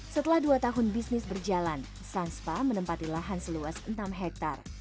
setelah dua tahun bisnis berjalan sang spa menempati lahan seluas enam hektare